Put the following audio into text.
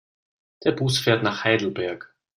Der Bus fährt nach Heidelberg